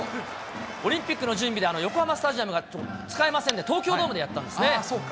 オリンピックの準備で横浜スタジアムが使えませんで、東京ドームでやったんですね。